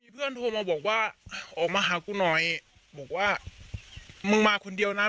เพื่อนโทรมาบอกว่าออกมาหากูหน่อยบอกว่ามึงมาคนเดียวนะ